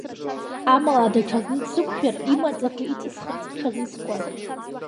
Амала даҽазны дсықәшәар, имаӡақәа иҵысхырц сҽазыскуан.